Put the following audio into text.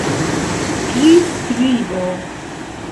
priskribo